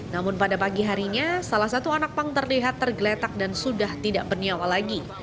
namun pada pagi harinya salah satu anak pang terlihat tergeletak dan sudah tidak bernyawa lagi